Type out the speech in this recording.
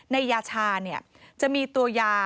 ในยาชาเนี่ยจะมีตัวยา